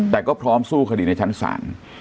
แต่ก็พร้อมสู้คดีในชั้นศาล